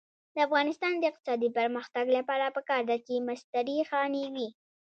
د افغانستان د اقتصادي پرمختګ لپاره پکار ده چې مستري خانې وي.